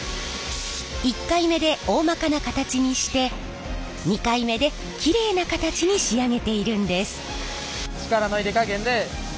１回目でおおまかな形にして２回目できれいな形に仕上げているんです。